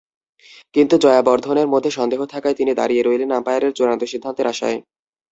কিন্তু জয়াবর্ধনের মধ্যে সন্দেহ থাকায় তিনি দাঁড়িয়ে রইলেন আম্পায়ারের চূড়ান্ত সিদ্ধান্তের আশায়।